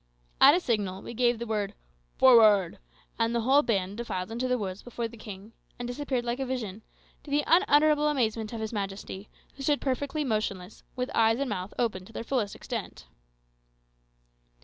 At a signal we gave the word "Forward!" and the whole band defiled into the woods before the king, and disappeared like a vision, to the unutterable amazement of his majesty, who stood perfectly motionless, with eyes and mouth open to their fullest extent.